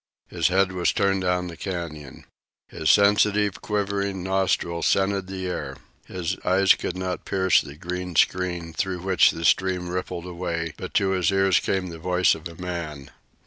His head was turned down the canyon. His sensitive, quivering nostrils scented the air. His eyes could not pierce the green screen through which the stream rippled away, but to his ears came the voice of a man.